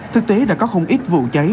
thực tế đã có không ít vụ cháy